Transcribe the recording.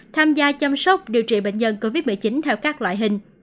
tham gia chăm sóc điều trị bệnh nhân covid một mươi chín theo các loại hình